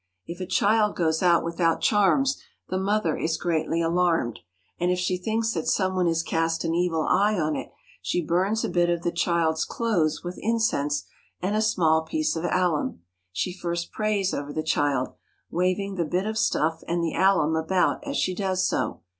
If a child goes out without charms the mother is greatly alarmed, and if she thinks that someone has cast an evil eye on it she burns a bit of the child's clothes with incense and a small piece of alum. She first prays over the child, waving the bit of stuff and the alum about as she does so.